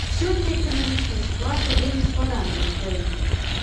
Сёння эканамічная сітуацыя вельмі складаная ў краіне.